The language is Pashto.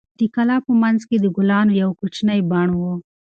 د کلا په منځ کې د ګلانو یو کوچنی بڼ و.